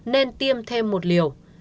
nên tiêm thêm một liều